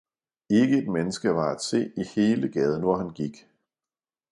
ikke et menneske var at se i hele gaden hvor han gik.